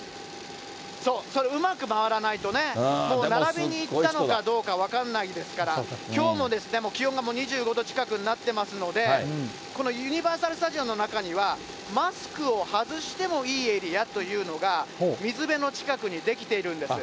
そう、それうまく回らないとね、並びに行ったのかどうか分かんないですから、きょうもですね、気温がもう２５度近くになってますので、このユニバーサル・スタジオの中には、マスクを外してもいいエリアというのが、水辺の近くに出来ているんです。